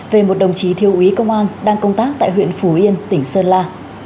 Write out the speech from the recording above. về một đồng chí thiêu úy công an đang công tác tại huyện phú yên tỉnh sơn la